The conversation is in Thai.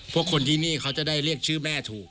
พวกคนที่นี่เขาจะได้เรียกชื่อแม่ถูก